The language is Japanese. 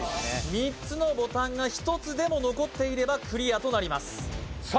３つのボタンが１つでも残っていればクリアとなりますさあ